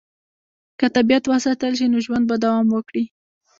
که طبیعت وساتل شي، نو ژوند به دوام وکړي.